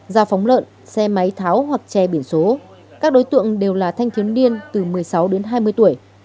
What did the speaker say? giao phóng lợn xe máy tháo hoặc che biển số các đối tượng đều là thanh thiếu niên từ một mươi sáu đến hai mươi tuổi